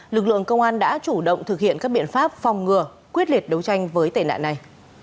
lực lượng công an đã chủ động thực hiện các biện pháp phòng ngừa quyết liệt đấu tranh với tệ nạn này